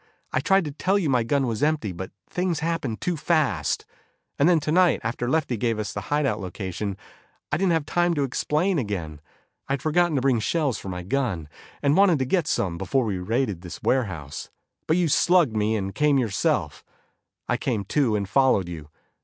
I tried to tell you my gun was empty, but things happened too fast. And then tonight, after Lefty gave us this hideout location, I didn't have time to explain again. I had forgotten to bring shells for my gun, and wanted to get some before we raided this warehouse. But you slugged me and came yourself. I came to and followed you.